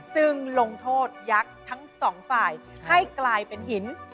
ลงโทษยักษ์ทั้งสองฝ่ายให้กลายเป็นหิน